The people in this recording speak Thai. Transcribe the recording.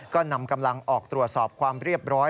ก็นำกำลังออกตรวจสอบความเรียบร้อย